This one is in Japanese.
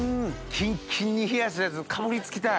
キンキンに冷やしたやつかぶり付きたい。